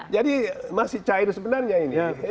jadi masih cair sebenarnya ini